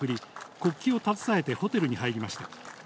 国旗を携えてホテルに入りました。